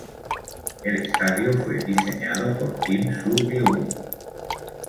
El estadio fue diseñado por Kim Swoo-geun.